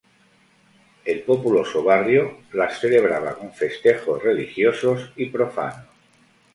El populoso barrio las celebraba con festejos religiosos y profanos.